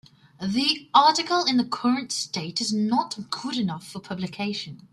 The article in the current state is not good enough for publication.